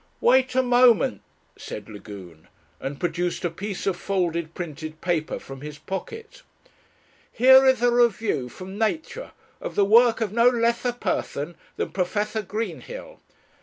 "Wait a moment," said Lagune, and produced a piece of folded printed paper from his pocket. "Here is a review from Nature of the work of no less a person than Professor Greenhill.